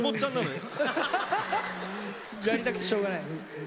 やりたくてしょうがない。